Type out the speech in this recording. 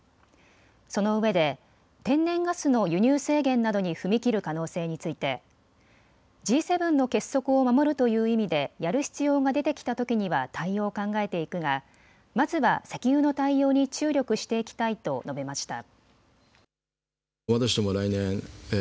そのうえで天然ガスの輸入制限などに踏み切る可能性についてＧ７の結束を守るという意味でやる必要が出てきたときには対応を考えていくがまずは石油の対応に注力していきたいと述べました。